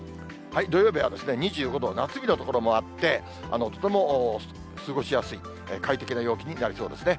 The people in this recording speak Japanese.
土曜日は２５度、夏日の所もあって、とても過ごしやすい、快適な陽気になりそうですね。